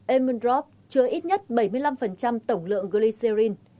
emundrop chứa ít nhất bảy mươi năm tổng lượng glycerin